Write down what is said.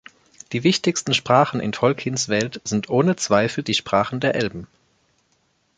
Die wichtigsten Sprachen in Tolkiens Welt sind ohne Zweifel die Sprachen der Elben.